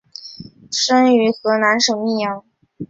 生于河南省泌阳。